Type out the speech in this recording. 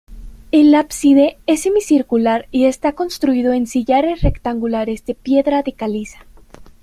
El ábside es semicircular y está construido en sillares rectangulares de piedra de caliza.